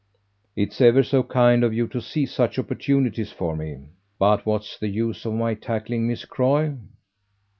"It's ever so kind of you to see such opportunities for me. But what's the use of my tackling Miss Croy?"